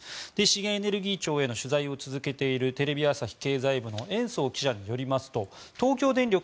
資源エネルギー庁への取材を続けているテレビ朝日経済部の延増記者によりますと東京電力